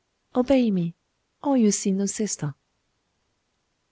obey me, or you see no sister.